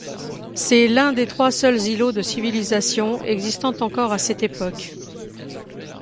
C'est l'un des trois seuls ilots de civilisation existant encore à cette époque.